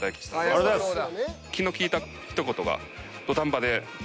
ありがとうございます。